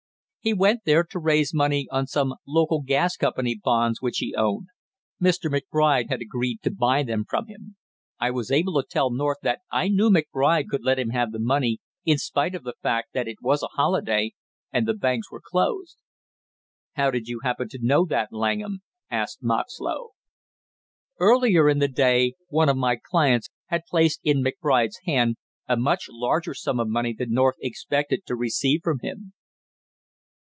"He went there to raise money on some local gas company bonds which he owned. Mr. McBride had agreed to buy them from him. I was able to tell North that I knew McBride could let him have the money in spite of the fact that it was a holiday and the banks were closed." "How did you happen to know that, Langham?" asked Moxlow. "Earlier in the day one of my clients had placed in McBride's hand a much larger sum of money than North expected to receive from him."